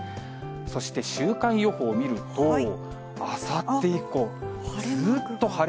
そして週間予報見ると、あさって以降、ずっと晴れ。